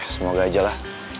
semoga aja lah